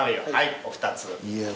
お二つ。